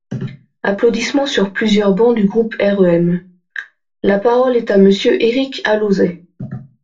(Applaudissements sur plusieurs bancs du groupe REM.) La parole est à Monsieur Éric Alauzet.